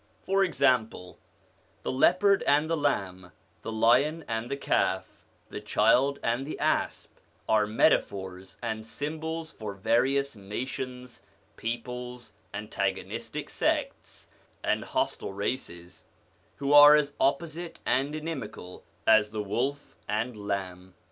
For example, the leopard and the lamb, the lion and the calf, the child and the asp, are metaphors and symbols for various nations, peoples, antagonistic sects, and hostile races, who are as opposite and inimical as the wolf and lamb.